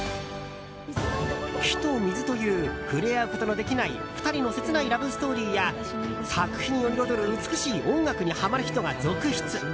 火と水という触れ合うことのできない２人の切ないラブストーリーや作品を彩る美しい音楽にはまる人が続出。